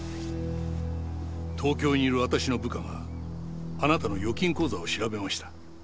東京にいる私の部下があなたの預金口座を調べました。